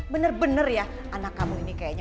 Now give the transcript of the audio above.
bener bener ya anak kamu ini kayaknya